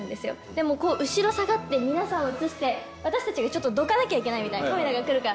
でも後ろ下がって皆さんを写して私たちがどかなきゃいけないみたいなカメラが来るから。